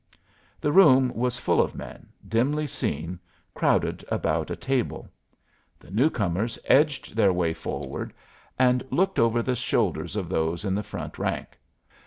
The room was full of men, dimly seen, crowded about a table. The newcomers edged their way forward and looked over the shoulders of those in the front rank.